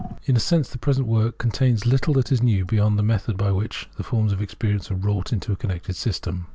In a sense, the present work contains little that is ne\ir beyond the method by which the forms of experience are wrought into a connected system.